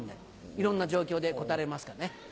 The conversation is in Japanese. いろんな状況で答えられますかね。